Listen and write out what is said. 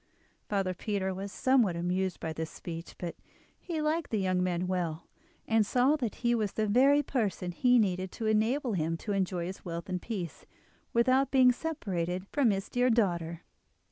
Father Peter was somewhat amused by this speech; but he liked the young man well, and saw that he was the very person he needed to enable him to enjoy his wealth in peace, without being separated from his dear daughter.